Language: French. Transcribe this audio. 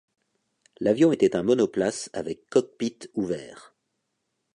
L'avion était un monoplace avec cockpit ouvert.